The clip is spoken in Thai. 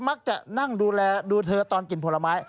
มักจะนั่งดูแลดูเธอตอนกินผลไม้